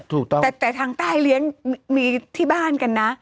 แต่พระอาทิตยาภาพใต้เลี้ยงที่บ้านกัน๙๐๐